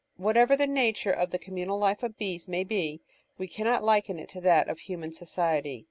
Whatever the nature of the communal life of bees may be, we cannot liken it to that of human society.